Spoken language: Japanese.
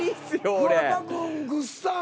桑田君ぐっさん